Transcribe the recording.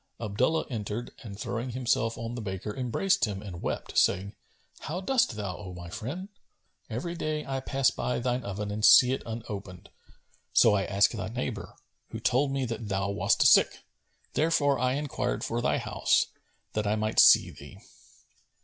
Abdullah entered and throwing himself on the baker embraced him and wept, saying, "How dost thou, O my friend? Every day, I pass by thine oven and see it unopened; so I asked thy neighbour, who told me that thou wast sick; therefore I enquired for thy house, that I might see thee."